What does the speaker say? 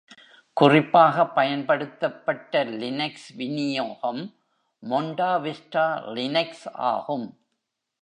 குறிப்பாக பயன்படுத்தப்பட்ட லினக்ஸ் விநியோகம், மொன்டாவிஸ்டா லினக்ஸ் ஆகும்.